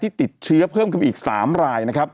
ที่ติดเชื้อเพิ่มขึ้นอีก๓ราย